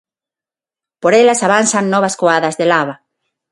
Por elas avanzan novas coadas de lava.